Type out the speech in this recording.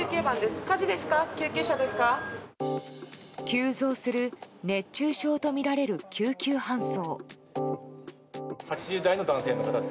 急増する熱中症とみられる救急搬送。